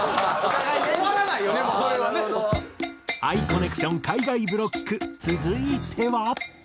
「ＡＩコネクション」海外ブロック続いては。